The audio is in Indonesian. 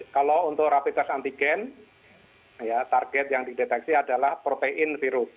kalau untuk rapi tes antigen target yang dideteksi adalah protein